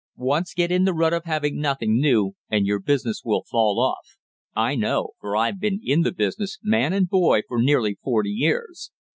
Once get in the rut of having nothing new, and your business will fall off. I know, for I've been in the business, man and boy, for nearly forty years.